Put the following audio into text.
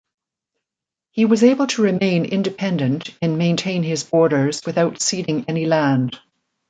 He was able to remain independent and maintain his borders without ceding any land.